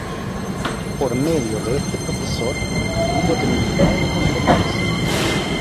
Por medio de este profesor, el grupo terminó de conformarse.